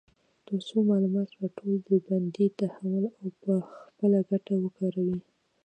تر څو معلومات راټول، ډلبندي، تحلیل او په خپله ګټه وکاروي.